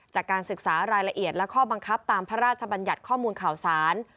จากการศึกษารายละเอียดและข้อบังคับตามพระราชบัญญัติข้อมูลข่าวสาร